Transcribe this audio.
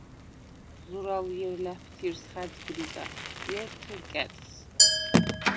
ზურალ ჲერ ლა̈ფთირს ხა̈ძგრიდა, ჲერ თჷრკა̈ტს.